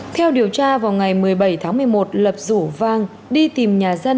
theo điều tra vào ngày một mươi bảy tháng một mươi một lập rủ vang đi tìm nhà dân